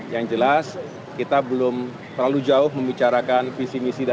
yang jelas kita belum terlalu jauh membicarakan visi misi